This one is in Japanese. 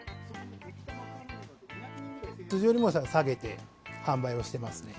通常よりも下げて販売をしてますね。